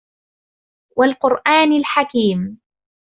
وَالْقُرْآنِ الْحَكِيمِ